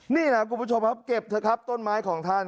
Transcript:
นี่แหละคุณผู้ชมครับเก็บเถอะครับต้นไม้ของท่าน